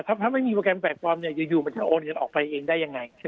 นะถ้าไม่มีโปรแกรมอะไรแปลกยัอยอยู่จะโอนเงินออกไปเองได้ยังไง